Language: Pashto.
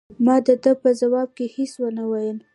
ما د ده په ځواب کې هیڅ ونه ویل.